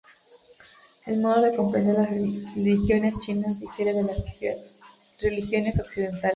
El modo de comprender las religiones chinas difiere de las religiones occidentales.